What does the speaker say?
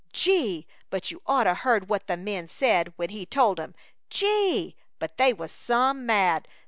Gee! but you'd oughta heard what the men said when he told 'em! Gee! but they was some mad!